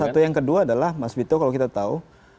satu yang kedua adalah mas vito kalau kita tahu